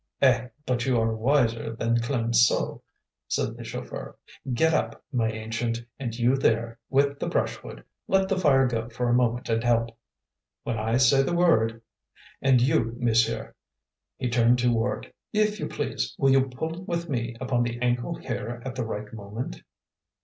"Eh, but you are wiser than Clemenceau!" said the chauffeur. "Get up, my ancient, and you there, with the brushwood, let the fire go for a moment and help, when I say the word. And you, monsieur," he turned to Ward, "if you please, will you pull with me upon the ankle here at the right moment?"